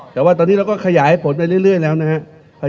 แต่ว่าตอนนี้เราก็ขยายผลไปเรื่อยแล้วนะครับ